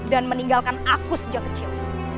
dan meninggalkan aku sejak kecil